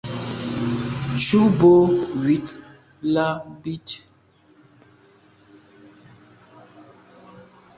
Tshu bo ywit là bit.